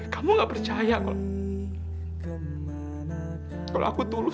kamu gak percaya kalau